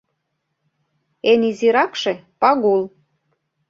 Эн изиракше — Пагул.